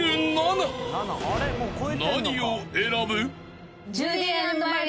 ［何を選ぶ？］